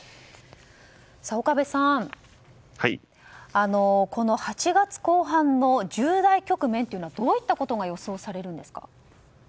岡部さん、この８月後半の重大局面はどういったことが予想されるんですか？